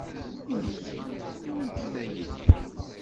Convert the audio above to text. Ini-yi-d i wanta ara iliɣ